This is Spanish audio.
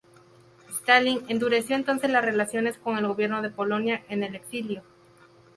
Stalin endureció entonces las relaciones con el Gobierno de Polonia en el Exilio.